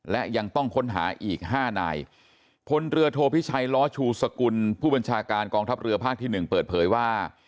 และยังต้องค้นหาอีกห้านายพลเรือโทพิชัยล้อชูสกุลผู้บัญชาการกองทัพเรือภาคที่หนึ่งเปิดเผยว่า